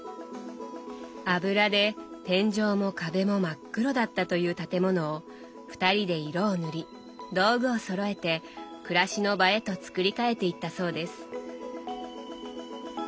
油で天井も壁も真っ黒だったという建物を二人で色を塗り道具をそろえて暮らしの場へと作り替えていったそうです。